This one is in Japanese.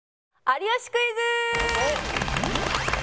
『有吉クイズ』！